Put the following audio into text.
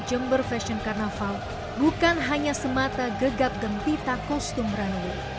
jember fashion carnaval bukan hanya semata gegap gempita kostum runway